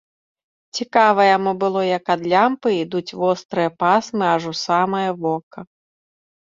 Цікава яму было, як ад лямпы ідуць вострыя пасмы аж у самае вока.